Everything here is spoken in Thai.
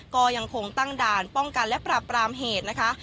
ก็ยังคงตั้งด่านป้องกันและปราบรามเหตุนะคะ